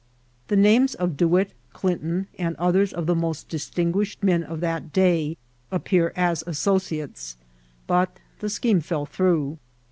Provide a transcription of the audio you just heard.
The names of Dewitt Clinton and others of the most distinguished men of that day appear as associates, but the scheme fell through.